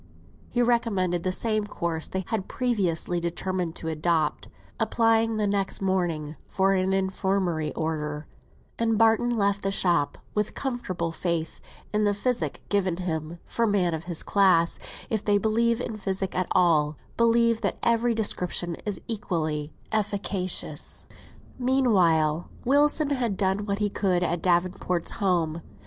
He recommended the same course they had previously determined to adopt, applying the next morning for an infirmary order; and Barton left the shop with comfortable faith in the physic given him; for men of his class, if they believe in physic at all, believe that every description is equally efficacious. Meanwhile, Wilson had done what he could at Davenport's home.